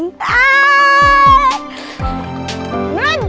noncar ke sana